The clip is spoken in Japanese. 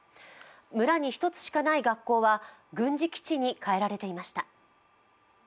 村に一つしかない学校は軍事基地に変えられていました。